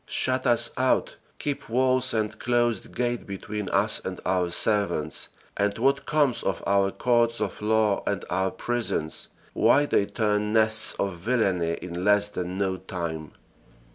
Shut us out keep walls and closed gate between us and our servants and what comes of our courts of law and our prisons? Why they turn nests of villainy in less than no time."